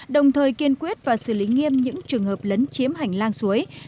đồng thời kiên quyết và xử lý nghiêm những trường hợp lấn chiếm hành lang suối